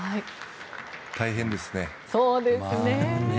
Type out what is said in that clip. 大変ですね。